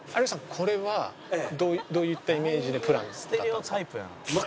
これはどういったイメージでプラン立てたんですか？